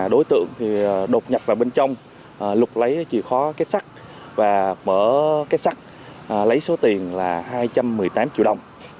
đối tượng đột nhập vào bên trong lục lấy chìa khóa két sắt và mở két sắt lấy số tiền là hai trăm một mươi tám triệu đồng